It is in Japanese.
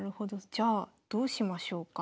じゃあどうしましょうか。